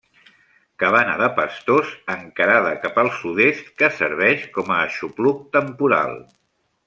Cabana de pastors encarada cap al sud-est que serveix com a aixopluc temporal.